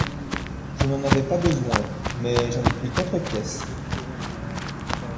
Je n’en avais pas besoin… mais j’en ai pris quatre pièces.